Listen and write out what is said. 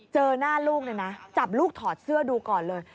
เจอหน้าลูกเนี่ยนะจับลูกถอดเสื้อดูก่อนเลย